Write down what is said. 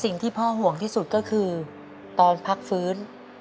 สิ่งที่พ่อห่วงที่สุดก็คือตอนพักฟื้น